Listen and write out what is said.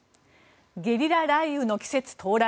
ゲリラ雷雨の季節到来。